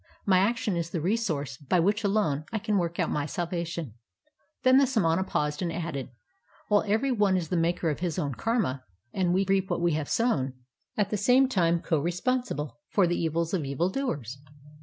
My action is the resource by which alone I can work out my salvation." Then the samana paused and added :— "While every one is the maker of his own karma, and we reap what we have sown, we are at the same time co 6i IXDL\ responsible for the e\ils of e\'il doers.